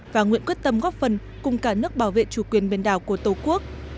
và nguyện quyết tâm góp phần cùng cả nước bảo vệ chủ quyền biển đảo của tổ quốc